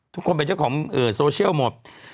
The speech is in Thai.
ทุกคนเป็นเจ้าของโซเชียลหมด